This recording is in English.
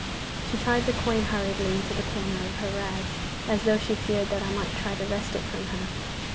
She tied the coin hurriedly into the corner of her rags, as though she feared that I might try to wrest it from her.